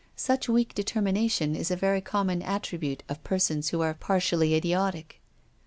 • Such weak determination is a very common attribute of persons who are par tially idiotic.